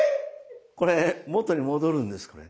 これ元に戻るんですこれ。